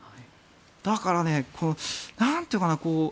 だからね、なんというのかな。